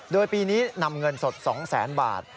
โดยปีนี้นำเงินสด๒แสนบาท